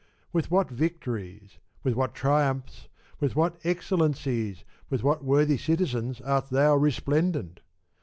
With what victories, with what triumphs, with what excellencies, with what worthy citizens art thou resplendent